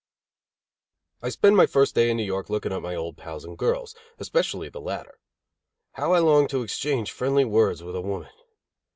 _ I spent my first day in New York looking up my old pals and girls, especially the latter. How I longed to exchange friendly words with a woman!